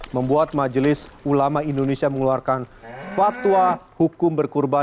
membuat majelis ulama indonesia mengeluarkan fatwa hukum berkurban